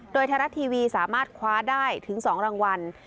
โดยไทยรัฐทีวีสามารถคว้าได้ถึง๒รางวัล